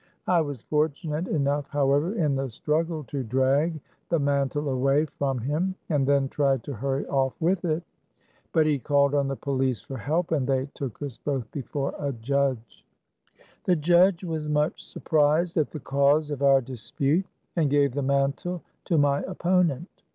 I was fortunate enough, how ever, in the struggle, to drag the mantle away from him, and then tried to hurry off with it. THE GABA VAN. 139 But he called on the police for help, and they took us both before a judge. The judge was much surprised at the cause of our dispute, and gave the mantle to my opponent.